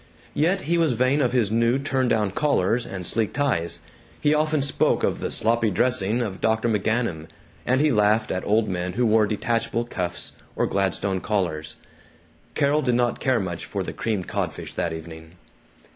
Yet he was vain of his new turn down collars and sleek ties; he often spoke of the "sloppy dressing" of Dr. McGanum; and he laughed at old men who wore detachable cuffs or Gladstone collars. Carol did not care much for the creamed codfish that evening.